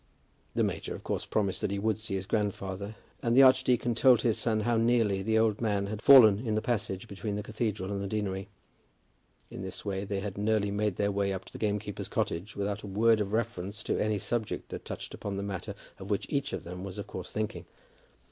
The major, of course, promised that he would see his grandfather, and the archdeacon told his son how nearly the old man had fallen in the passage between the cathedral and the deanery. In this way they had nearly made their way up to the gamekeeper's cottage without a word of reference to any subject that touched upon the matter of which each of them was of course thinking.